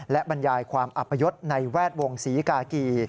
และบรรยายความอัพยศในแวดวงศรีกากี